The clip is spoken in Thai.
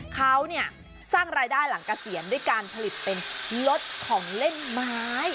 เขาสร้างรายได้หลังเกษียณด้วยการผลิตเป็นลดของเล่นไม้